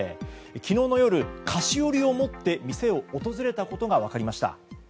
昨日の夜菓子折りをもって店を訪れたことが分かりました。